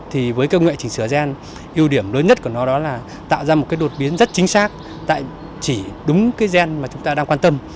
thì với công nghệ chỉnh sửa gen ưu điểm lớn nhất của nó đó là tạo ra một cái đột biến rất chính xác chỉ đúng cái gen mà chúng ta đang quan tâm